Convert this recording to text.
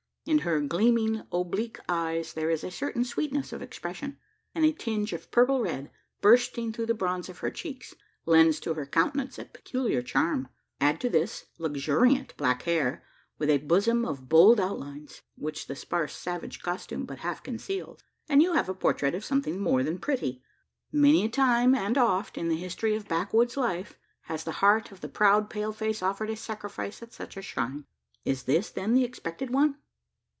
In her gleaming oblique eyes there is a certain sweetness of expression; and a tinge of purple red, bursting through the bronze of her cheeks, lends to her countenance a peculiar charm. Add to this, luxuriant black hair, with a bosom of bold outlines which the sparse savage costume but half conceals and you have a portrait something more than pretty. Many a time and oft, in the history of backwoods life, has the heart of the proud pale face offered sacrifice at such a shrine. Is this, then, the expected one?